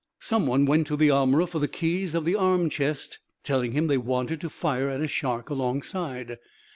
Some one went to the armorer for the keys of the arm chest, telling him they wanted to fire at a shark alongside.